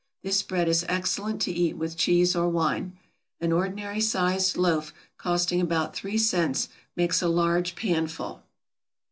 This bread is excellent to eat with cheese or wine. An ordinary sized loaf, costing about three cents makes a large panful.